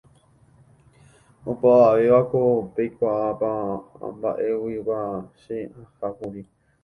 Opavavévako peikuaapa mba'éguipa che ahákuri